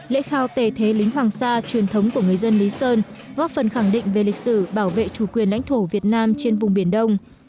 lễ khao tề thế lính hoàng sa truyền thống của người dân lý sơn góp phần khẳng định về lịch sử bảo vệ chủ quyền lãnh thổ việt nam trên vùng biển đông